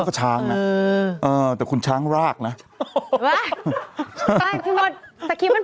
เป็นการกระตุ้นการไหลเวียนของเลือด